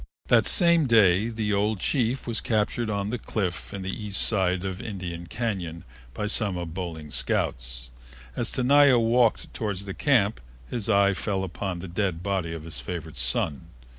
That same day the old chief was captured on the cliff on the east side of Indian Cañon by some of Boling's scouts. As Tenaya walked toward the camp his eye fell upon the dead body of his favorite son.